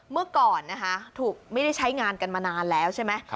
เมื่อก่อนนะคะถูกไม่ได้ใช้งานกันมานานแล้วใช่ไหม